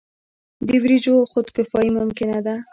د وریجو خودکفايي ممکنه ده.